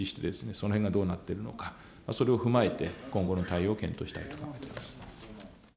その辺がどうなってるのかそれを踏まえて今後の対応を検討したいと思っております。